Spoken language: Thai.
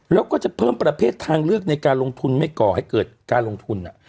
แล้วก็จะเพิ่มประเภททางเลือกในการลงทุนไม่ก่อให้เกิดการลงทุน